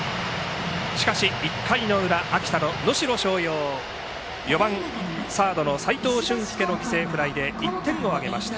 １回の裏、秋田の能代松陽４番サードの齋藤舜介の犠牲フライで１点を挙げました。